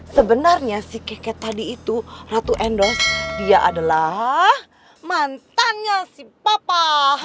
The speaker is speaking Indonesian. sebenarnya si keket tadi itu ratu endorse dia adalah mantannya si papa